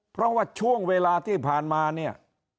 เพราะว่าช่วงเวลาที่ผ่านมาเนี่ย